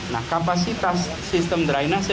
nah kapasitas sistem drainasi